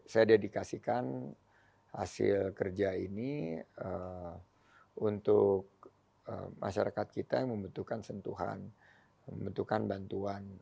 saya dedikasikan hasil kerja ini untuk masyarakat kita yang membutuhkan sentuhan membutuhkan bantuan